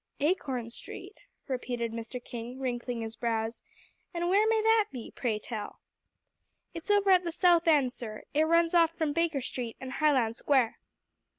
"Acorn Street?" repeated Mr. King, wrinkling his brows, "and where may that be, pray tell?" "It's over at the South End, sir; it runs off from Baker Street and Highland Square."